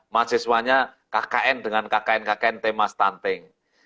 mahasiswanya kkn dengan kkn kkn tema stunting